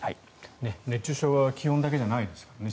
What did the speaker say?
熱中症は気温だけじゃないですからね。